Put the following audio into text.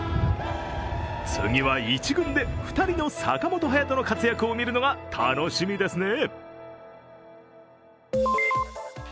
次は１軍で２人の坂本勇人の活躍を見るのが楽しみですね。